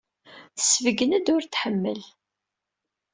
Tessebgen-d ur t-tḥemmel.